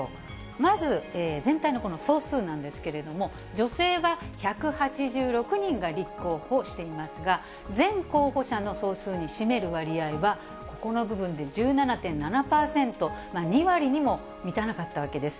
まず全体の総数なんですけれども、女性は１８６人が立候補していますが、全候補者の総数に占める割合は、この部分で１７．７％、２割にも満たなかったわけです。